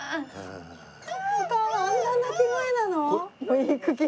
あんな鳴き声なの？